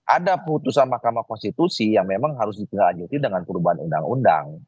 ada putusan mahkamah konstitusi yang memang harus ditindaklanjuti dengan perubahan undang undang